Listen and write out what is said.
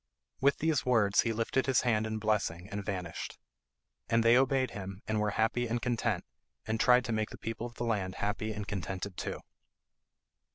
With these words he lifted his hand in blessing and vanished. And they obeyed him, and were happy and content, and tried to make the people of the land happy and contented too.